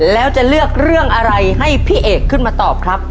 แล้วจะเลือกเรื่องอะไรให้พี่เอกขึ้นมาตอบครับ